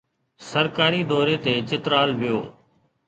سرڪاري دوري تي چترال ويو